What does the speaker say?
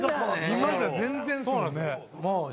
今じゃ全然ですもんね。